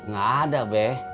gak ada beh